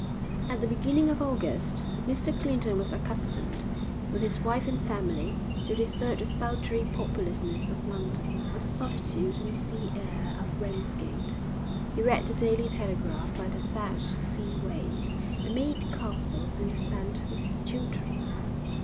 At the beginning of August, Mr Clinton was accustomed, with his wife and family, to desert the sultry populousness of London for the solitude and sea air of Ramsgate. He read the Daily Telegraph by the sad sea waves, and made castles in the sand with his children.